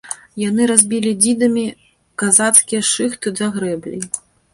Яны разбілі дзідамі казацкія шыхты за грэбляй.